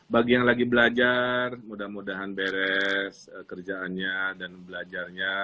bagi yang lagi belajar mudah mudahan beres kerjaannya dan belajarnya